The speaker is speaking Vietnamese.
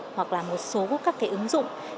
hoặc là một số các ứng dụng